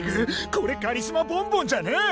これカリスマボンボンじゃねえ！